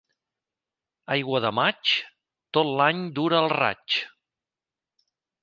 Aigua de maig, tot l'any dura el raig.